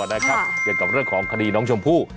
เกี่ยวกับเรื่องของคดีน้องชมพู่